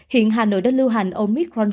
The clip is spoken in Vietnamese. hiện hà nội đã lưu hành omicron sau